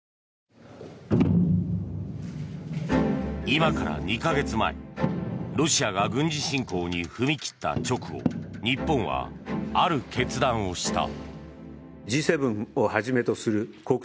今から２か月前、ロシアが軍事侵攻に踏み切った直後日本はある決断をした。